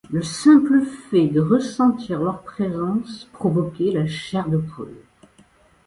Le simple fait de ressentir leur présence, provoquait la chair de poule.